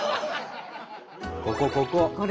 ここここ！